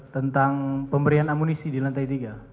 tentang pemberian amunisi di lantai tiga